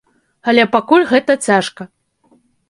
Але пакуль гэта цяжка.